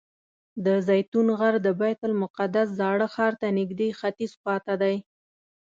د زیتون غر د بیت المقدس زاړه ښار ته نږدې ختیځ خوا ته دی.